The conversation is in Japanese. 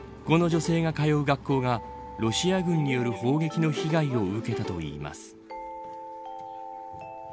この女性が通う学校がロシア軍による砲撃の被害を受けたといいます。